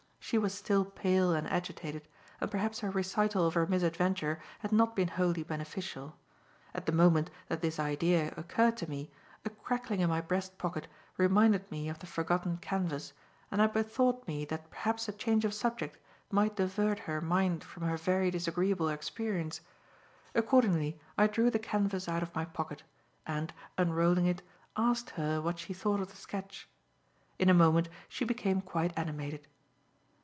She was still pale and agitated, and perhaps her recital of her misadventure had not been wholly beneficial. At the moment that this idea occurred to me, a crackling in my breast pocket reminded me of the forgotten canvas, and I bethought me that perhaps a change of subject might divert her mind from her very disagreeable experience. Accordingly, I drew the canvas out of my pocket, and, unrolling it, asked her what she thought of the sketch. In a moment she became quite animated.